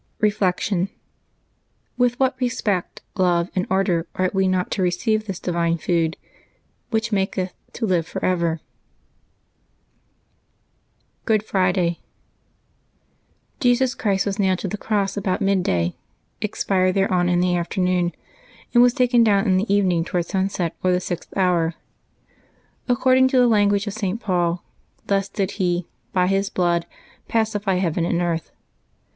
Reflection. — With what respect, love, and ardor ought we not to receive this divine food, "which maketh to live forever ''! GOOD FRIDAY. ^"TTesus Christ was nailed to the cross about midday, V /* expired thereon in the afternoon, and was taken down in the evening toward sunset, or the sixth hour. According to the language of St. Paul, thus did He, by His blood, pacify heaven and earth.